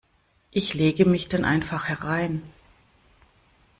Ich lege mich dann einfach herein.